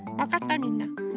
みんな。